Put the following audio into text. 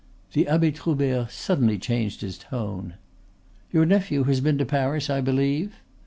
The Abbe Troubert suddenly changed his tone. "Your nephew has been to Paris, I believe."